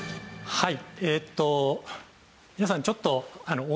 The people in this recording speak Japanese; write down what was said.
はい。